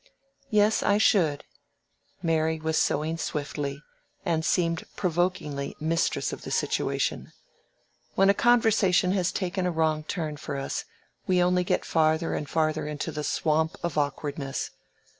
"Yes, I should." Mary was sewing swiftly, and seemed provokingly mistress of the situation. When a conversation has taken a wrong turn for us, we only get farther and farther into the swamp of awkwardness.